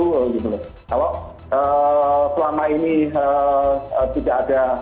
kalau selama ini tidak ada penggiris giriskan